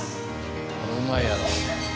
これうまいやろ。